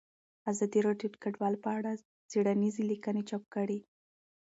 ازادي راډیو د کډوال په اړه څېړنیزې لیکنې چاپ کړي.